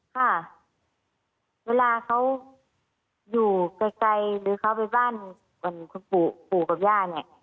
ค่ะเวลาเค้าอยู่ไกลหรือเค้าไปบ้านก่อนขุมคู่กับญ่าเนี่ย